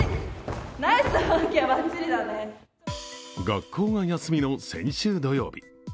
学校が休みの先週土曜日。